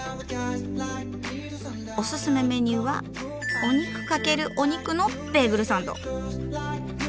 オススメメニューは「お肉×お肉」のベーグルサンド。